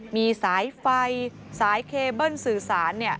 มีสายไฟสายเคเบิ้ลสื่อสาร